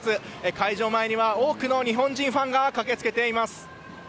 会場前には多くの日本人ファンが駆けつけています。